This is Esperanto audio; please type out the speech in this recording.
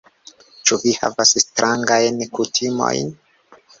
Ĉu vi havas strangajn kutimojn?